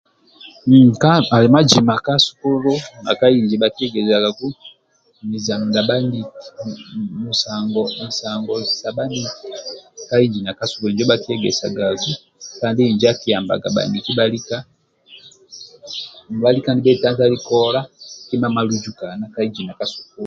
Nka ali mazima ka sukulu na ka inji bhakiegesagaku muzano ndia bhaniki musango musango sa bhaniki injo bhakiegesagaku kandi injo akiyambaga bhaniki bhalika nibhetantali kola kima maluzukana ka inji na ka sukulu